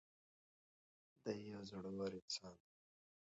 دی یو زړور انسان دی.